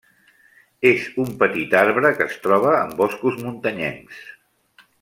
És un petit arbre que es troba en boscos muntanyencs.